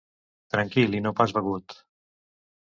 Tranquil i no pas begut.